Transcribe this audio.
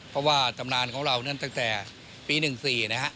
เพราะว่าตำนานของเรานั้นตั้งแต่ปี๑๔นะฮะ